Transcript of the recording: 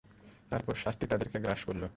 তারপর শাস্তি তাদেরকে গ্রাস করল।